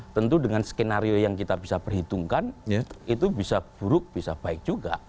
tentu dengan skenario yang kita bisa perhitungkan itu bisa buruk bisa baik juga